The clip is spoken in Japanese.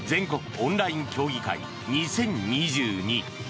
オンライン競技会２０２２。